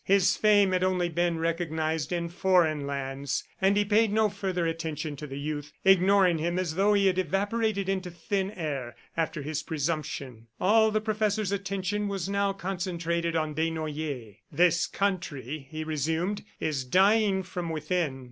His fame had only been recognized in foreign lands. ... And he paid no further attention to the youth, ignoring him as though he had evaporated into thin air after his presumption. All the professor's attention was now concentrated on Desnoyers. "This country," he resumed, "is dying from within.